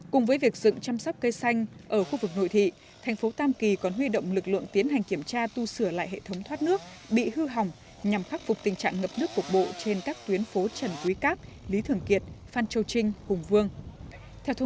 mưa gió đã làm hàng chục cây xanh ở khu vực nội thị thành phố tam kỳ bị ngã đổ tổ chức gia quân dọn dẹp vệ sinh đường phố